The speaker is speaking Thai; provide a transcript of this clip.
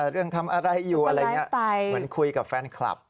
เรื่องทำอะไรอยู่เหมือนคุยกับแฟนคลัพย์